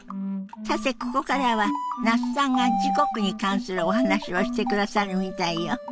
さてここからは那須さんが時刻に関するお話をしてくださるみたいよ。